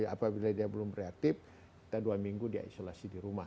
apabila dia belum reaktif kita dua minggu dia isolasi di rumah